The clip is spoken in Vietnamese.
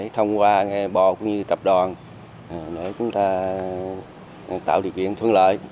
thông qua bồ cũng như tập đoàn để chúng ta tạo điều kiện thuận lợi